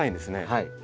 はい。